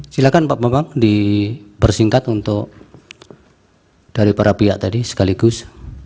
silakan pak bambang dipersingkat untuk dari para pihak tadi sekaligus